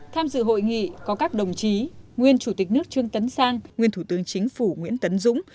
tham dự hội nghị có các đồng chí nguyên chủ tịch nước trương tấn sang nguyên thủ tướng chính phủ nguyễn tấn dũng